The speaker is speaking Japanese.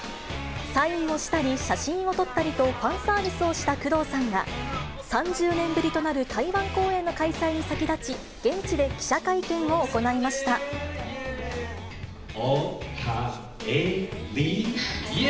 サインをしたり、写真を撮ったりと、ファンサービスをした工藤さんが、３０年ぶりとなる台湾公演の開催に先立ち、現地で記者会見を行いおかえり。